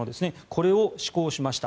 これを施行しました。